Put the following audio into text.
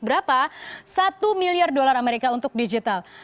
berapa satu miliar dolar amerika untuk digital